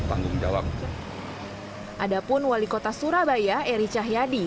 adapun wali kota surabaya eri cahyadi